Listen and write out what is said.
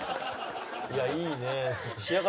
いやいいね。